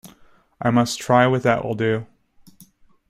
I must try what that will do.